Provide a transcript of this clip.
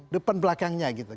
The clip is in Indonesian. depan belakangnya gitu